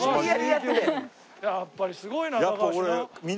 やっぱりすごいな高橋な。